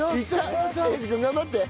英二君頑張って。